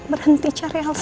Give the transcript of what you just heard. mama betul betul hopeless